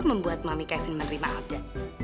membuat mami kevin menerima ada